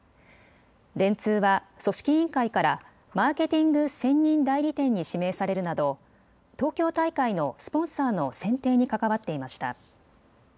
電通は組織委員会からマーケティング専任代理店に指名されるなど東京大会のスポンサーの選定に関わっていました。